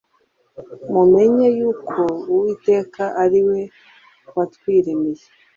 Mumenye yuk’ UwitekaAri we watwiremeye